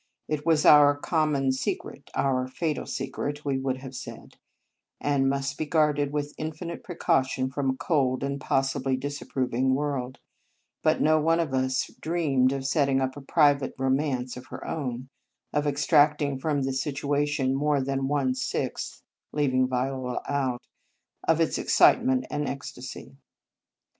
It was our common se cret, our fatal secret, we would have said, and must be guarded with infinite precaution from a cold and possibly disapproving world; but no one of us dreamed of setting up a private romance of her own, of ex tracting from the situation more than one sixth leaving Viola out of its excitement and ecstasy.